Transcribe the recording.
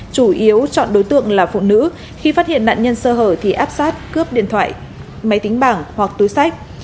chủ yếu chọn đối tượng là phụ nữ khi phát hiện nạn nhân sơ hở thì áp sát cướp điện thoại máy tính bảng hoặc túi sách